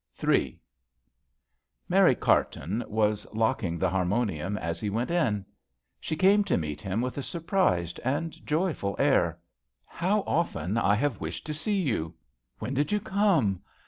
III. CARTON was locking the harmonium as he went in. She came to meet him with a surprised and joyful air. How often I have wished to e you. When did you come